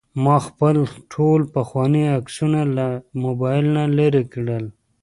ما خپل ټول پخواني عکسونه له موبایل نه لرې کړل.